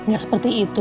gak seperti itu